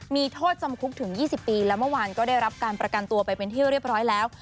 มีโทษจำคุกถึง๒๐ปีแล้วเมื่อวานก็ได้รับการประกันตัวไปเป็นที่เรียบร้อยแล้ว